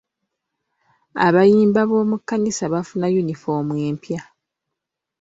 Abayimba b'omu kkanisa baafuna yunifoomu empya.